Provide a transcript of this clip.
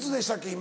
今。